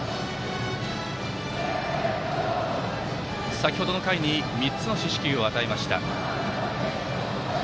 先程の回に３つの四死球を与えました。